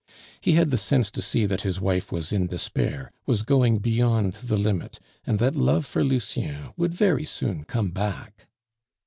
He had the sense to see that his wife was in despair, was going beyond the limit, and that love for Lucien would very soon come back.